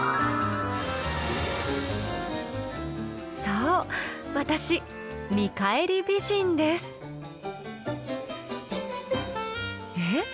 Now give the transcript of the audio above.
そう私「見返り美人」です。え？